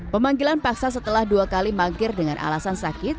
pemanggilan paksa setelah dua kali mangkir dengan alasan sakit